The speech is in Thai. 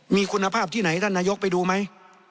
มีคุณภาพที่ไหนท่านนายกไปดูไหม